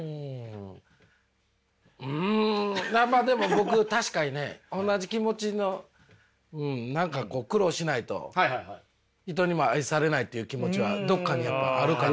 うんまあでも僕確かにね同じ気持ちの何かこう苦労しないと人にも愛されないっていう気持ちはどっかにやっぱあるから。